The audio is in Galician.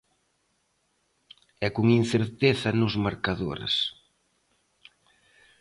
E con incerteza nos marcadores.